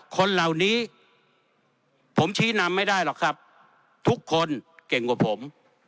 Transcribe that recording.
คนเหล่านี้ผมชี้นำไม่ได้หรอกครับทุกคนเก่งกว่าผม